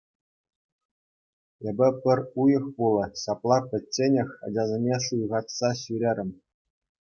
Эпӗ пӗр уйӑх пулӗ ҫапла пӗчченех ачасене шуйхатса ҫӳрерӗм.